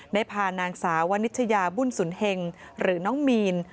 ได้พานางสาววนิชยาบุญสุนเฮงหรือน้องมีน